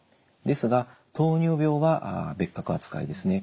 ですが糖尿病は別格扱いですね。